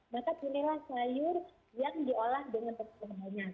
maka pilihlah sayur yang diolah dengan perkembangannya